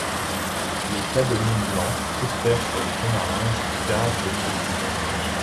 Les Cadelines blanches prospèrent sur les fonds marins jusqu'à de profondeur.